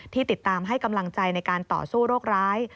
ติดตามให้กำลังใจในการต่อสู้โรคร้าย